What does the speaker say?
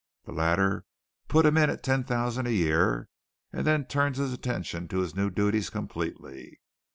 The latter put him in at ten thousand a year and then turned his attention to his new duties completely.